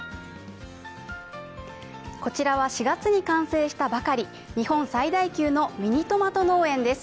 こちらは４月に完成したばかり、日本最大級のミニトマト農園です。